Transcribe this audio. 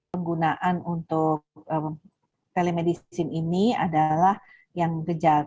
penggunaan untuk telemedicine ini adalah yang gejala